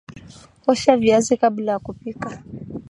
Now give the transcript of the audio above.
osha viazi kabla ya kupika